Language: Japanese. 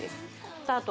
スタート